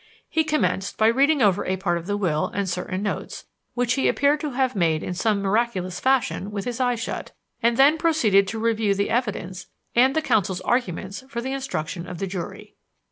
He commenced by reading over a part of the will and certain notes which he appeared to have made in some miraculous fashion with his eyes shut and then proceeded to review the evidence and the counsels' arguments for the instruction of the jury.